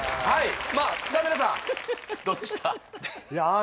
はい